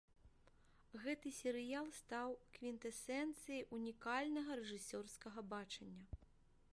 Гэты серыял стаў квінтэсэнцыяй унікальнага рэжысёрскага бачання.